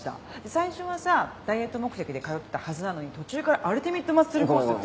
最初はさダイエット目的で通ってたはずなのに途中からアルティメット・マッスルコースっていう。